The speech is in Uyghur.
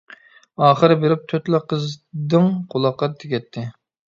ئاخىرى بېرىپ تۆتلا قىز دىڭ قۇلاققا تېگەتتى.